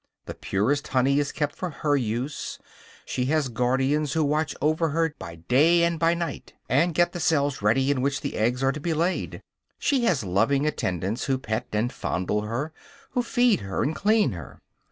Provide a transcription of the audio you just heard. The purest honey is kept for her use. She has guardians who watch over her by day and by night, and get the cells ready in which the eggs are to be laid. She has loving attendants who pet and fondle her, who feed her and clean her.